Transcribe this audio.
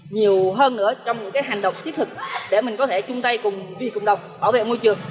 nhiều hơn nữa trong những hành động thiết thực để mình có thể chung tay cùng vì cộng đồng bảo vệ môi trường